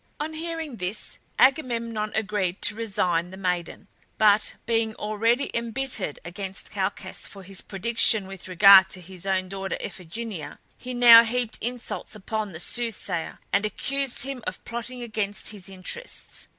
On hearing this Agamemnon agreed to resign the maiden; but being already embittered against Calchas for his prediction with regard to his own daughter Iphigenia, he now heaped insults upon the soothsayer and accused him of plotting against his interests.